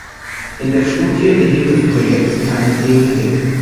In der Studie erhielt das Projekt keine Priorität.